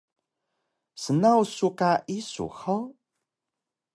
Snaw su ka isu hug?